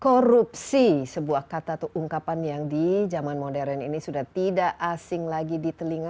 korupsi sebuah kata atau ungkapan yang di zaman modern ini sudah tidak asing lagi di telinga